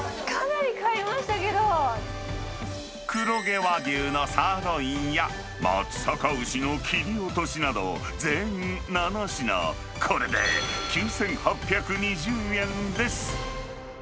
黒毛和牛のサーロインや、松阪牛の切り落としなど、全７品、これで９８２０円です。